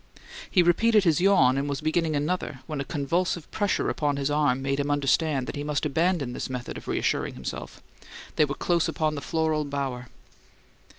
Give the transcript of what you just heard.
He repeated his yawn and was beginning another when a convulsive pressure upon his arm made him understand that he must abandon this method of reassuring himself. They were close upon the floral bower.